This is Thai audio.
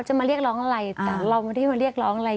จะมาเรียกร้องอะไรแต่เราไม่ได้มาเรียกร้องอะไร